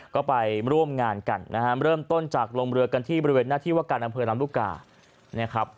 ก็ไปร่วมงานกันนะครับเริ่มต้นจากลงเรือกันที่บริเวณหน้าที่วกาศนำเผยรำลูกกา